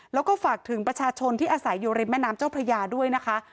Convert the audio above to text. แล้วก็ฝากถึงประชาชนที่อาศัยอยู่ริมแม่น้ำเจ้าพระยาด้วยนะคะ